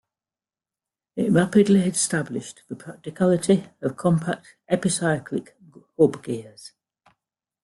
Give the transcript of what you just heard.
It rapidly established the practicality of compact epicyclic hub gears.